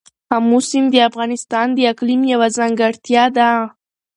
آمو سیند د افغانستان د اقلیم یوه ځانګړتیا ده.